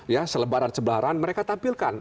ya selebaran sebaran mereka tampilkan